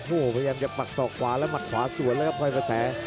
โอ้โหพยายามกับปากสอกขวาแล้วปากขวาสวนแล้วก็พลอยมาแส